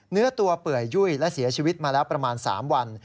เนื้อตัวเปื่อยยุ่ยและเสียชีวิตมาแล้วประมาณ๓วัน